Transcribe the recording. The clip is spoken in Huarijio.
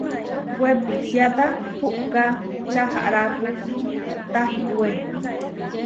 Wepisiáta puʼká čaharápu tahiwé.